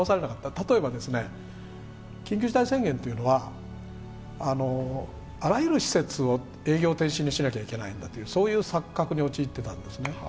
例えば緊急事態宣言というのはあらゆる施設を営業停止にしなきゃいけないんだとそういう錯覚に陥っていたんですね。